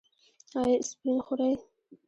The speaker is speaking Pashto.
ایا اسپرین خورئ؟